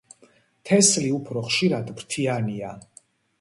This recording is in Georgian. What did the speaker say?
თესლი უფრო ხშირად ფრთიანია.